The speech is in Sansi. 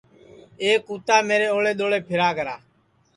ایک کُتا میرے اوݪے دؔوݪے پھیرا کرا